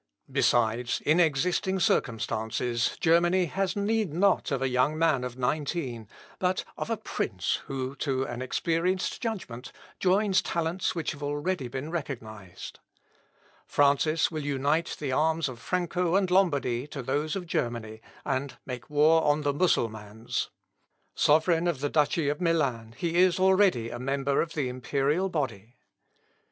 Besides, in existing circumstances, Germany has need not of a young man of nineteen, but of a prince who, to an experienced judgment, joins talents which have already been recognised. Francis will unite the arms of France and Lombardy to those of Germany, and make war on the Mussulmans. Sovereign of the duchy of Milan, he is already a member of the imperial body."